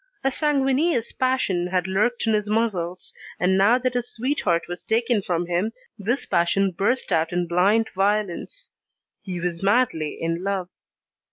A sanguineous passion had lurked in his muscles, and now that his sweetheart was taken from him, this passion burst out in blind violence. He was madly in love.